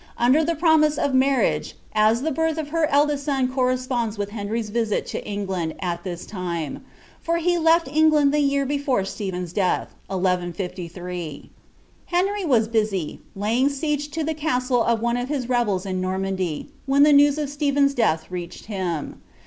undn the promise of marriage, as the birth of her eldest son corresponds wiib Henry's visit to Eii|;land at this time; for he left England tlie yar bt forc Stephen's deatti, 11 S3.' Henry waa busy, laying siege to dieCMllt of one of his rebels in Normandy, when the news of ^phen^s dctih reached him.